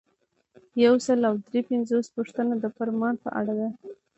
یو سل او درې پنځوسمه پوښتنه د فرمان په اړه ده.